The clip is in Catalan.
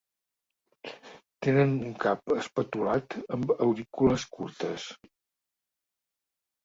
Tenen un cap espatulat amb aurícules curtes.